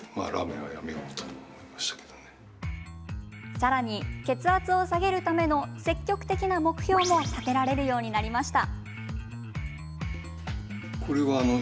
さらに血圧を下げるための積極的な目標も立てられるようになりました。